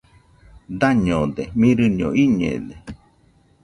Dañode, mirɨño iñede.